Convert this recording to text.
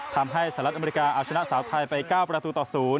สหรัฐอเมริกาเอาชนะสาวไทยไป๙ประตูต่อ๐